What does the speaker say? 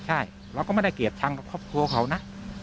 ใช่เราก็ไม่ได้เกลียดชังกับครอบครัวเขานะ